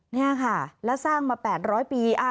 นี่ค่ะแล้วสร้างมา๘๐๐ปี